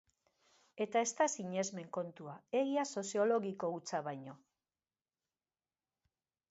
Eta ez da sinesmen kontua, egia soziologiko hutsa baino.